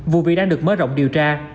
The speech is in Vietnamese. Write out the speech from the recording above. vụ việc đang được mớ rộng điều tra